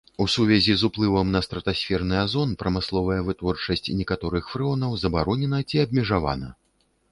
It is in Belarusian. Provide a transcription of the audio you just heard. У сувязі з уплывам на стратасферны азон прамысловая вытворчасць некаторых фрэонаў забаронена ці абмежавана.